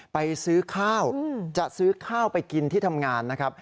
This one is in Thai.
ไปซื้อข้าวจะซื้อข้าวไปกินที่ทำงานนะครับ